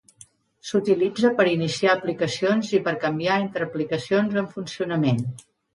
S'utilitza per iniciar aplicacions i per canviar entre aplicacions en funcionament.